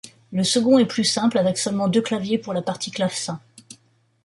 Le second est plus simple, avec seulement deux claviers pour la partie clavecin.